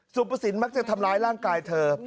สุภสินมักจะทำร้ายร่างกายเธอ